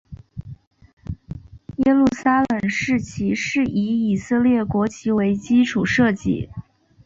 耶路撒冷市旗是以以色列国旗为基础设计。